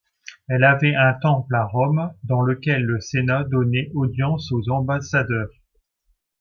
Elle avait un temple à Rome dans lequel le Sénat donnait audience aux ambassadeurs.